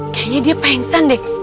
kayaknya dia pengsan deh